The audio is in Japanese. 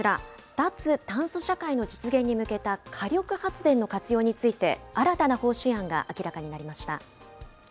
脱炭素社会の実現に向けた火力発電の活用について、新たな方針案が明らかになりました。